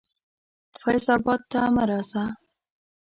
فیض آباد ته مه راځه.